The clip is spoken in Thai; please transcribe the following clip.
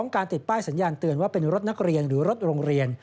การติดป้ายสัญญาณเตือนว่าเป็นรถนักเรียนหรือรถโรงเรียน